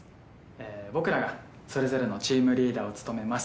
僕らがそれぞれのチームリーダーを務めます。